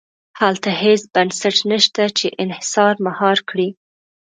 هلته هېڅ بنسټ نه شته چې انحصار مهار کړي.